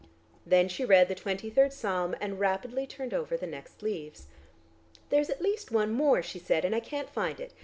Then she read the twenty third Psalm, and rapidly turned over the next leaves. "There's at least one more," she said, "and I can't find it.